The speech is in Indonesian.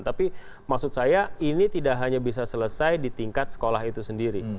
tapi maksud saya ini tidak hanya bisa selesai di tingkat sekolah itu sendiri